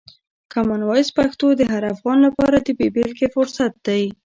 کامن وایس پښتو د هر افغان لپاره د بې بېلګې فرصت دی.